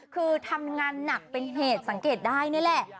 คือทำงานหนักเป็นเหตุสังเกตได้นี่แหละ